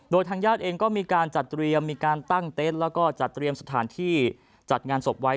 โดยทางยาติเองก็มีการจัดเต็ทและจัดเตรียมสถานที่จัดงานสบไว้